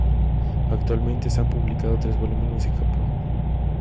Actualmente se han publicado tres volúmenes en Japón.